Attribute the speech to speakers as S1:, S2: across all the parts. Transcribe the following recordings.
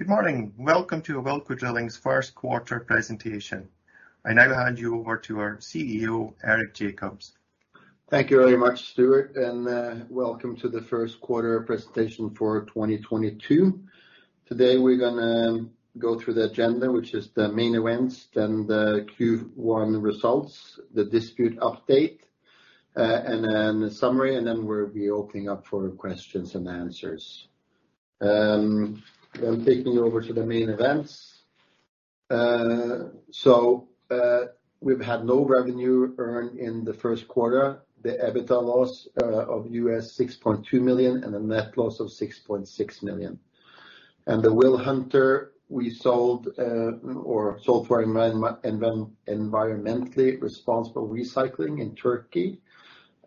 S1: Good morning. Welcome to Awilco Drilling's first quarter presentation. I now hand you over to our CEO, Eric Jacobs.
S2: Thank you very much, Stuart, and welcome to the first quarter presentation for 2022. Today, we're gonna go through the agenda, which is the main events, then the Q1 results, the dispute update, and then the summary, and then we'll be opening up for questions and answers. Taking you over to the main events. We've had no revenue earned in the first quarter. The EBITDA loss of $6.2 million and a net loss of $6.6 million. The WilHunter we sold for environmentally responsible recycling in Turkey.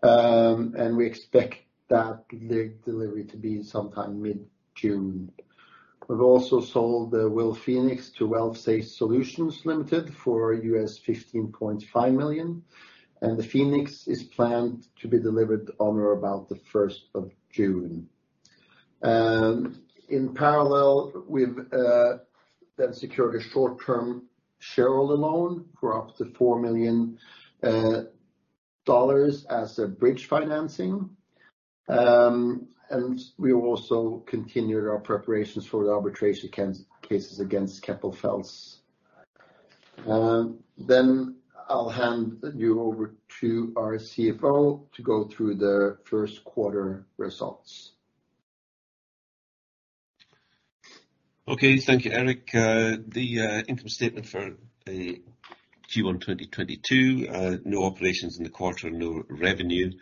S2: We expect that the delivery to be sometime mid-June. We've also sold the WilPhoenix to Well-Safe Solutions Ltd for $15.5 million, and the Phoenix is planned to be delivered on or about the first of June. In parallel, we've then secured a short-term shareholder loan for up to $4 million as a bridge financing. We also continued our preparations for the arbitration cases against Keppel FELS. I'll hand you over to our CFO to go through the first quarter results.
S3: Okay. Thank you, Eric. The income statement for the Q1 2022, no operations in the quarter, no revenue.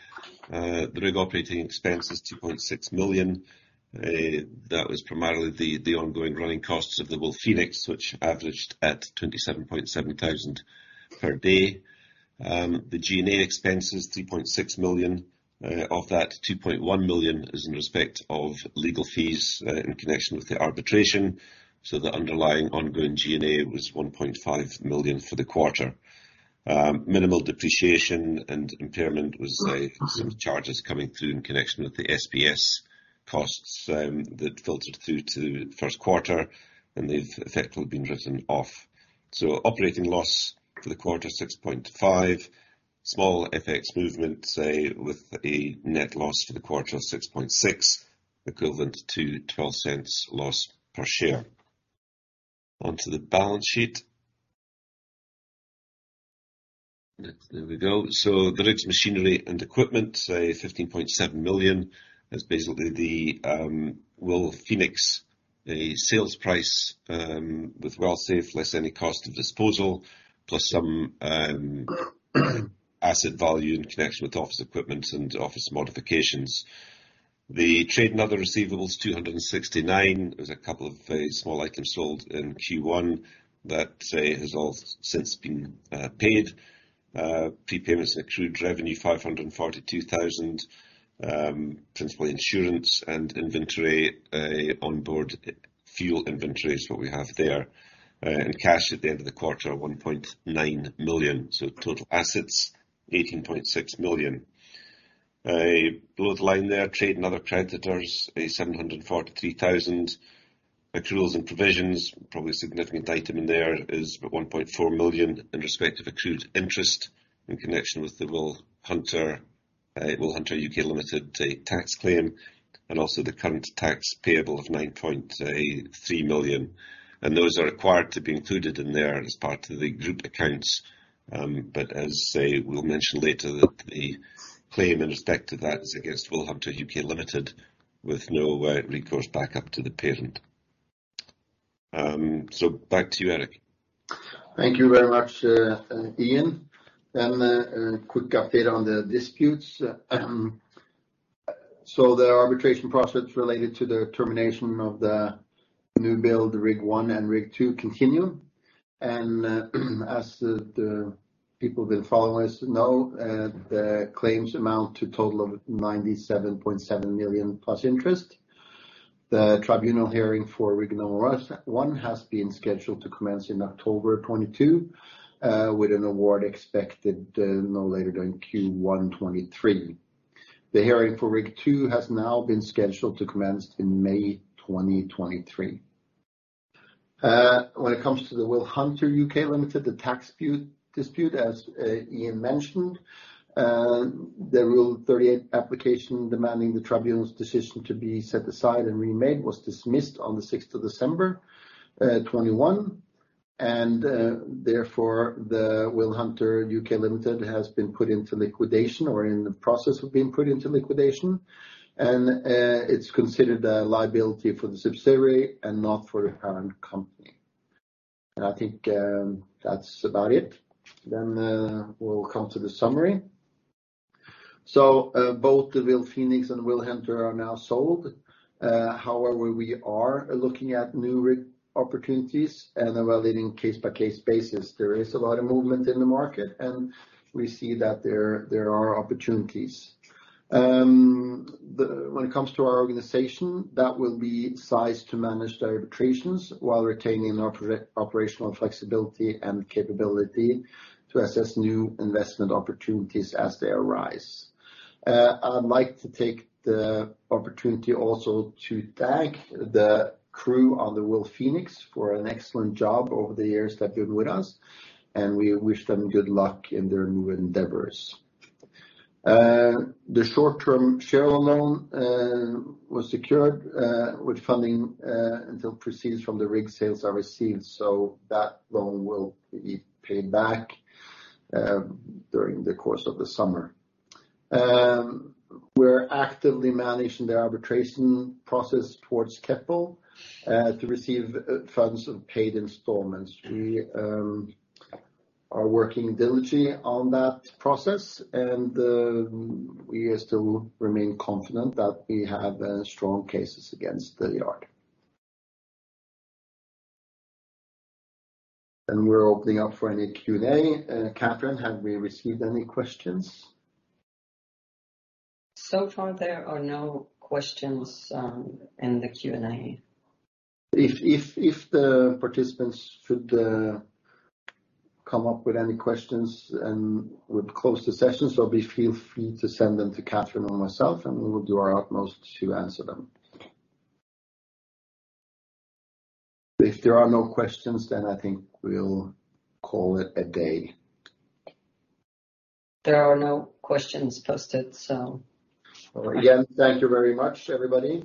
S3: The rig operating expense is $2.6 million. That was primarily the ongoing running costs of the WilPhoenix, which averaged at $27.7 thousand per day. The G&A expenses, $3.6 million. Of that, $2.1 million is in respect of legal fees in connection with the arbitration, so the underlying ongoing G&A was $1.5 million for the quarter. Minimal depreciation and impairment was some charges coming through in connection with the SPS costs that filtered through to the first quarter, and they've effectively been written off. Operating loss for the quarter, $6.5 million. Small FX movement with a net loss for the quarter of $6.6 million, equivalent to $0.12 loss per share. Onto the balance sheet. There we go. The rigs machinery and equipment $15.7 million. That's basically the WilPhoenix, the sales price with Well-Safe, less any cost of disposal, plus some asset value in connection with office equipment and office modifications. The trade and other receivables $269 thousand. There was a couple of small items sold in Q1 that has all since been paid. Prepayments and accrued revenue $542 thousand, principally insurance and inventory, onboard fuel inventory is what we have there. And cash at the end of the quarter $1.9 million. Total assets $18.6 million. Below the line there, trade and other creditors, $743,000. Accruals and provisions, probably a significant item in there is $1.4 million in respect of accrued interest in connection with the Wilhunter UK Limited tax claim, and also the current tax payable of $9.3 million. Those are required to be included in there as part of the group accounts. As we'll mention later, that the claim in respect to that is against Wilhunter UK Limited with no recourse back up to the parent. Back to you, Eric.
S2: Thank you very much, Ian. A quick update on the disputes. The arbitration process related to the termination of the new build rig one and rig two continue. As the people who have been following us know, the claims amount to total of $97.7 million plus interest. The tribunal hearing for rig number one has been scheduled to commence in October 2022, with an award expected no later than Q1 2023. The hearing for rig two has now been scheduled to commence in May 2023. When it comes to the Wilhunter (UK) Ltd tax dispute, as Ian mentioned, the Rule 38 application demanding the tribunal's decision to be set aside and remade was dismissed on the sixth of December 2021. Therefore, the Wilhunter (UK) Ltd has been put into liquidation or in the process of being put into liquidation. It's considered a liability for the subsidiary and not for the parent company. I think that's about it. We'll come to the summary. Both the WilPhoenix and WilHunter are now sold. However, we are looking at new rig opportunities and evaluating case-by-case basis. There is a lot of movement in the market, and we see that there are opportunities. When it comes to our organization, that will be sized to manage the arbitrations while retaining our operational flexibility and capability to assess new investment opportunities as they arise. I'd like to take the opportunity also to thank the crew on the WilPhoenix for an excellent job over the years they've been with us, and we wish them good luck in their new endeavors. The short-term shareholder loan was secured with funding until proceeds from the rig sales are received, so that loan will be paid back during the course of the summer. We're actively managing the arbitration process towards Keppel to receive funds of paid installments. We are working diligently on that process, and we still remain confident that we have strong cases against the yard. We're opening up for any Q&A. Cathrine, have we received any questions?
S4: So far there are no questions in the Q&A.
S2: If the participants should come up with any questions and we've closed the session, so please feel free to send them to Cathrine or myself, and we will do our utmost to answer them. If there are no questions, then I think we'll call it a day.
S4: There are no questions posted, so.
S2: Again, thank you very much, everybody.